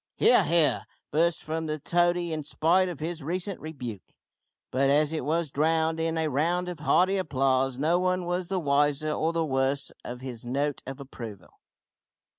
"He ar, he ar!" burst from the toady in spite of his recent rebuke; but as it was drowned in a round of hearty applause no one was the wiser or the worse of his note of approval.